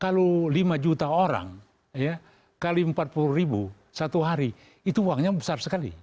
kalau lima juta orang kali empat puluh ribu satu hari itu uangnya besar sekali